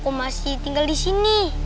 aku masih tinggal di sini